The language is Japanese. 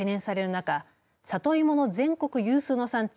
中里芋の全国有数の産地